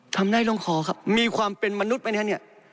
ทำได้ต้องขอครับมีความเป็นมนุษย์ไหมเนี่ย